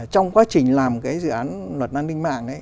trong quá trình làm cái dự án luật an ninh mạng